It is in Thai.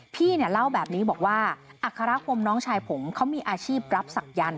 พี่เนี่ยเล่าแบบนี้บอกว่าอัครคมน้องชายผมเขามีอาชีพรับศักยันต